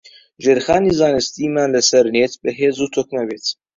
ژێرخانی زانستیمان لەسەر نێت بەهێز و تۆکمە بێت